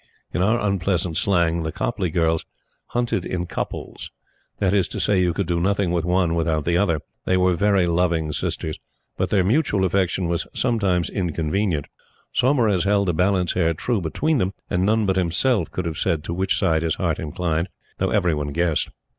In our unpleasant slang, the Copleigh girls "hunted in couples." That is to say, you could do nothing with one without the other. They were very loving sisters; but their mutual affection was sometimes inconvenient. Saumarez held the balance hair true between them, and none but himself could have said to which side his heart inclined; though every one guessed.